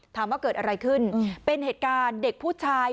ถามว่าเกิดอะไรขึ้นเป็นเหตุการณ์เด็กผู้ชาย